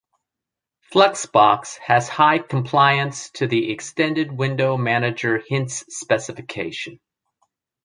Fluxbox has high compliance to the Extended Window Manager Hints specification.